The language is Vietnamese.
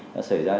đã xảy ra